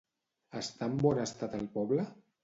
Està en bon estat el poble?